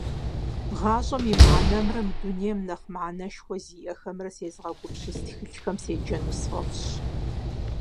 ГъащӀэм и мыхьэнэмрэ мы дунейм нэхъ мыхьэнэшхуэ зиӏэхэмрэ сезыгъэгупсыс тхылъхэм седжэну сфӀэфӀщ.